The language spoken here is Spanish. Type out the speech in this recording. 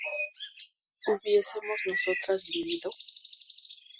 ¿hubiésemos nosotras vivido?